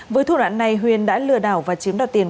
với thủ đoạn này huyền đã lừa đảo và chiếm đoạt tiền